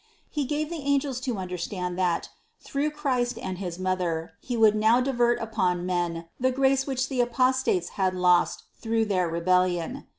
He gave the angels to understand that, through Christ and his Mother, He would now divert upon men the grace which the apostates had lost through their rebel lion.